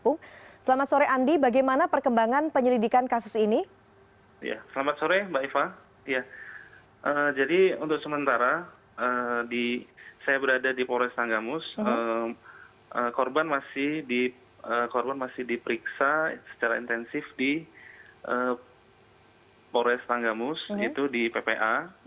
korban masih diperiksa secara intensif di polres tanggamus di ppa